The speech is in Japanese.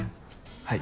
はい。